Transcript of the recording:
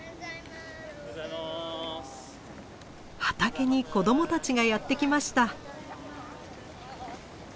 畑に子供たちがやって来ました。